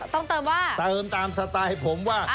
ต้องเติมว่าเติมตามสไตล์ผมว่า